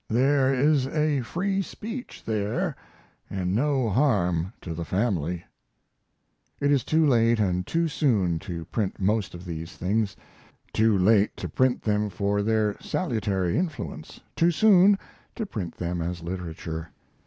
There is a free speech there, and no harm to the family. It is too late and too soon to print most of these things; too late to print them for their salutary influence, too soon to print them as literature.